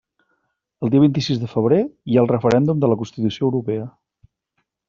El dia vint-i-sis de febrer hi ha el referèndum de la Constitució europea.